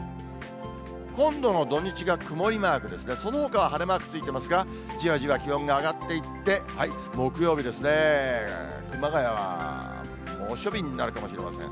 今度の土日が曇りマークですが、そのほかは晴れマークついてますが、じわじわ気温が上がっていって、木曜日ですね、熊谷は猛暑日になるかもしれません。